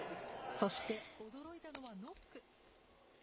そして、驚いたのはノック。